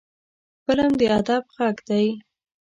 فلم د ادب غږ دی